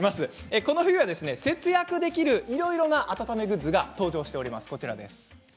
この冬は節約できるいろんな温めグッズが登場しています。